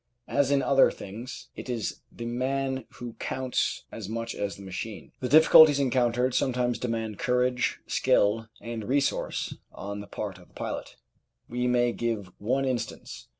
As in other things, it is the man who counts as much as the machine. The difficulties encountered sometimes demand courage, skill, and resource on the part of the pilot. We may give one instance.